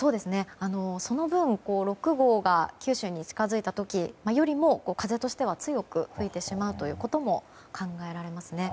その分、６号が九州に近づいた時よりも風としては強く吹いてしまうことも考えられますね。